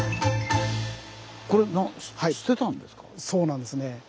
これそうなんですね。